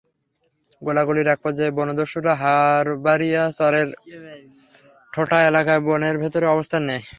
গোলাগুলির একপর্যায়ে বনদস্যুরা হারবারিয়া চরের ঠোটা এলাকায় বনের ভেতরে অবস্থান নেয়।